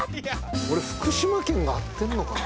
俺福島県が合ってんのかな。